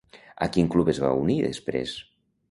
A quin club es va unir després?